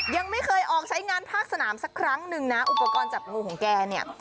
ยังไม่เคยออกใช้งานภาคสนามสักครั้งหนึ่งนะอุปกรณ์จับงูของแกเนี่ย